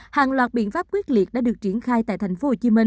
hàng loạt biện pháp quyết liệt đã được triển khai tại thành phố hồ chí minh